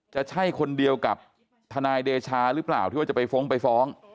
จะใช่คนเดียวกับทนายเดชาหรือเปล่าที่ว่าจะไปฟ้องไปฟ้อง